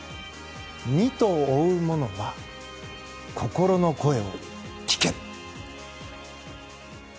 二兎追うものは心の声を聞け。